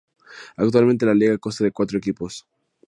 Actualmente la liga consta de cuatro equipos.